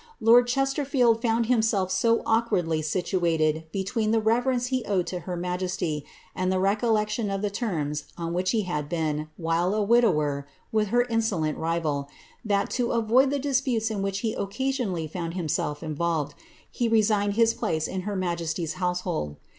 Lord Ches tei£eld found himself so awkwardly situated between the reverence he owed to her majesty, and the recollection of the terms on which he had been, while a widower, with her insolent rival, that, to avoid the disputes in which he occasionally found himself involved, he resigned his place in her majesty's household.